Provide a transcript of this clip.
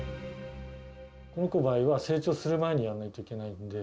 この子の場合は、成長する前にやらないといけないんで。